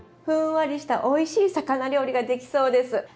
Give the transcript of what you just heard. ふんわりしたおいしい魚料理ができそうです。